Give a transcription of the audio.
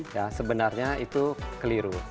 ya sebenarnya itu keliru